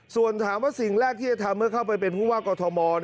ส่วนถามว่าสิ่งแรกที่จะทำเมื่อเข้าไปเป็นผู้ว่ากอทม